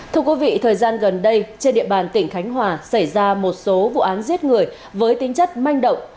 thưa quý vị thời gian gần đây trên địa bàn tỉnh khánh hòa xảy ra một số vụ án giết người với tính chất manh động